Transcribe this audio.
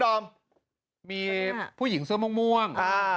นี่นะมีผู้หญิงเสื้อม่วง